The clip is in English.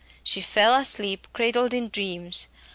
She fell asleep cradled in dreams.